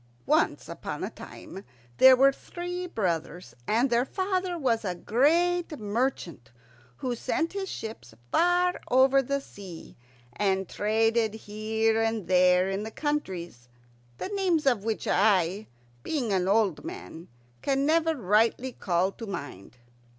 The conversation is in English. Once upon a time there were three brothers, and their father was a great merchant who sent his ships far over the sea, and traded here and there in countries the names of which I, being an old man, can never rightly call to mind.